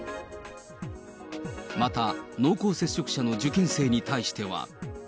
また、濃厚接触者の受験生に対しては。